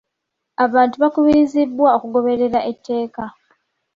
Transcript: Abantu bakubirizibwa okugoberera etteeka.